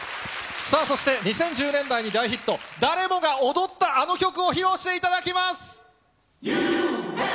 さあ、そして２０１０年代に大ヒット、誰もが躍ったあの曲を披露していただきます。